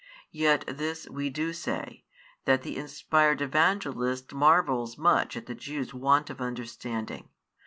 Yet this we do say, that the inspired Evangelist marvels much at the Jews' want of understanding.